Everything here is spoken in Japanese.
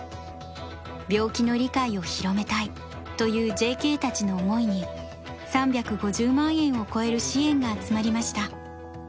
病気の理解を広めたいというＪＫたちの思いに３５０万円を超える支援が集まりました。